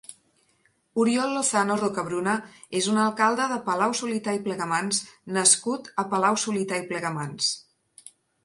Oriol Lozano Rocabruna és un alcalde de Palau-solità i Plegamans nascut a Palau-solità i Plegamans.